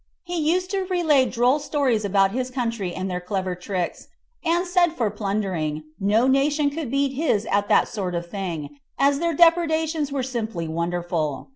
He used to relate droll stories about his country and their clever tricks, and said for plundering, no nation could beat his at that sort of thing, as their depredations were simply wonderful.